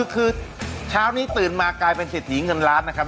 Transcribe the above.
คือเช้านี้ตื่นมากลายเป็นเศรษฐีเงินล้านนะครับ